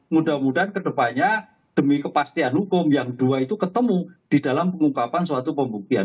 mudah mudahan kedepannya demi kepastian hukum yang dua itu ketemu di dalam pengungkapan suatu pembuktian